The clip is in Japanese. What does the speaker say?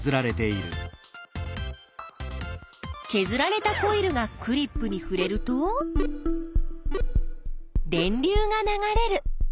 けずられたコイルがクリップにふれると電流が流れる。